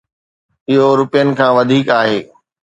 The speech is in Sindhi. اهو روپين کان وڌيڪ آهي.